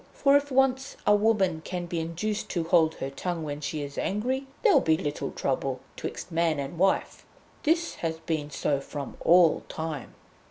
For if once a woman can be induced to hold her tongue when she is angry, there'll be little trouble 'twixt man and wife. This has been so from all time."